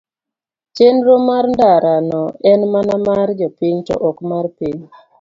chenro mar ndara no en mana mar jopiny to ok mar piny